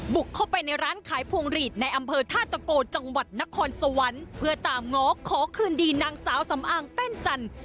บุกเข้าไปในร้านขายพวงหลีดในอำเภอท่าตะโกจังหวัดนครสวรรค์เพื่อตามง้อขอคืนดีนางสาวสำอางแป้นจันทร์